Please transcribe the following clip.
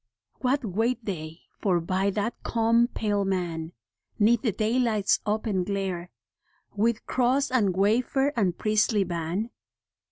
What wait they for by that calm, pale man, 'Neath the daylight's open glare, With cross and wafer and priestly ban ?